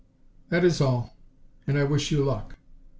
"That is all. And I wish you luck."